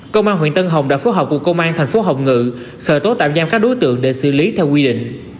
công an huyện tân hồng đã phối hợp cùng công an thành phố hồng ngự khởi tố tạm giam các đối tượng để xử lý theo quy định